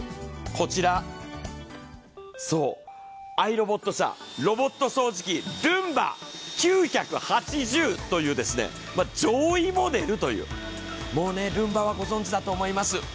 こちら、そうｉＲｏｂｏｔ社、ロボット掃除機ルンバ９８０という上位モデルという、もうルンバはご存じだと思います。